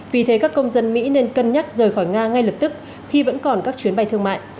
vì thế các công dân mỹ nên cân nhắc rời khỏi nga ngay lập tức khi vẫn còn các chuyến bay thương mại